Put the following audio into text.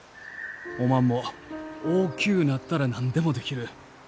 おまんも大きゅうなったら何でもできる。